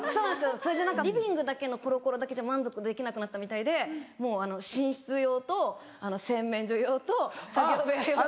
それでリビングだけのコロコロだけじゃ満足できなくなったみたいで寝室用と洗面所用と作業部屋用と。